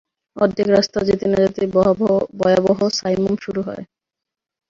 অর্ধেক রাস্তা যেতে না যেতেই ভয়াবহ সাইমুম শুরু হয়।